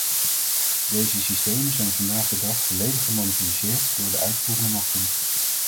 Deze systemen zijn vandaag de dag volledig gemonopoliseerd door de uitvoerende machten.